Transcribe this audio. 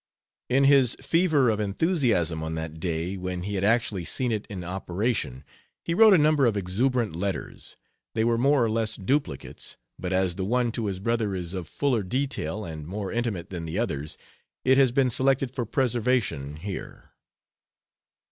In his fever of enthusiasm on that day when he had actually seen it in operation, he wrote a number of exuberant letters. They were more or less duplicates, but as the one to his brother is of fuller detail and more intimate than the others, it has been selected for preservation here.